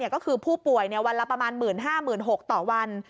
ก็คือผู้ป่วยวันละประมาณ๑๕๖๐๐ต่อวัน